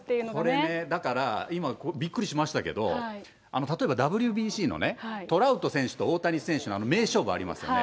これね、だから、今、びっくりしましたけど、例えばＷＢＣのトラウト選手と大谷選手の名勝負、ありますよね。